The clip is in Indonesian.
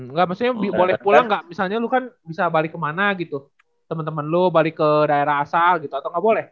nggak maksudnya boleh pulang nggak misalnya lo kan bisa balik kemana gitu temen temen lo balik ke daerah asal gitu atau nggak boleh